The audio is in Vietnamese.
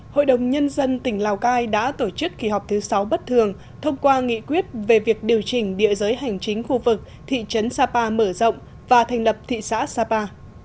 hội đồng nhân dân tỉnh lào cai đã tổ chức kỳ họp thứ sáu bất thường thông qua nghị quyết về việc điều chỉnh địa giới hành chính khu vực thị trấn sapa mở rộng và thành lập thị xã sapa